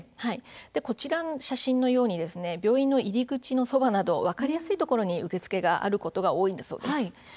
こちらの写真のように病院の入り口のそばなど分かりやすいところに受付があることが多いそうなんです。